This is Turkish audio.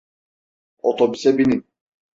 Otobüse binin!